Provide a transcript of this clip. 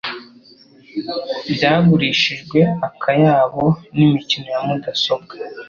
byagurishijwe akayabo n, imikino ya mudasobwa